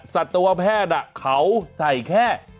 สัตวแพทย์เขาใส่แค่